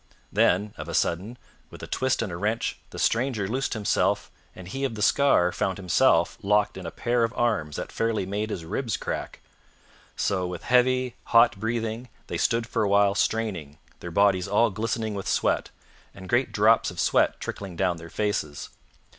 Then, of a sudden, with a twist and a wrench, the stranger loosed himself, and he of the scar found himself locked in a pair of arms that fairly made his ribs crack. So, with heavy, hot breathing, they stood for a while straining, their bodies all glistening with sweat, and great drops of sweat trickling down their faces.